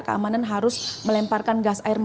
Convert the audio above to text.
remaja kelas kelas organisasi uang